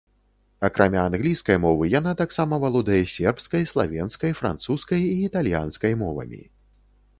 Акрамя англійскай мовы, яна таксама валодае сербскай, славенскай, французскай і італьянскай мовамі.